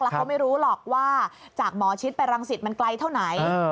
และไม่รู้หลอกว่ามาจากหมอชิตไปรังสิทธิ์มันไกลเท่านั้น